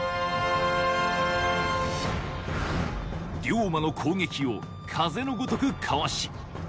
龍馬の攻撃を風のごとくかわし